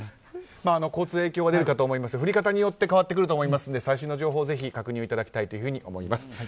交通に影響が出るかと思いますが降り方によって変わってくると思いますので最新の情報を確認いただきたいと思います。